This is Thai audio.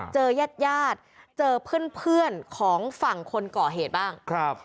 เจอยาดเจอเพื่อนของฝั่งคนเกาะเหตุบ้าง